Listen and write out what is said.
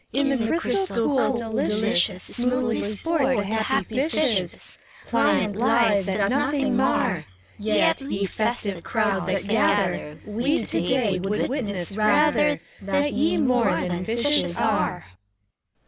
SIBEKS. In the crystal cool, delicious, Smoothly sport the happy fishes, Pliant lives that nothing mar; Yet, ye festive crowds that gather. We, to day, would witness, rather, That ye more than fishes are.